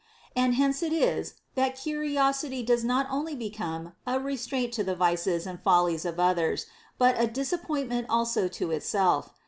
And hence it is that curiosity does not only become a restraint to the vices and follies of others, but is a disappointment also to itself.